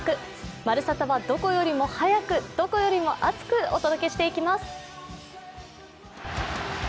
「まるサタ」はどこよりも早く、どこよりも熱くお届けしていきます。